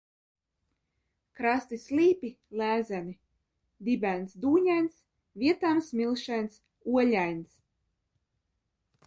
Krasti slīpi, lēzeni, dibens dūņains, vietām smilšains, oļains.